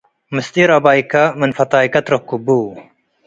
ምስጢር አባይከ ምን ፈታይከ ትረክቡ።